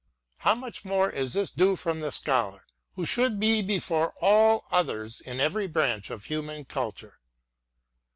How much more is this due from the Scholar, who should be before all others in every branch of human culture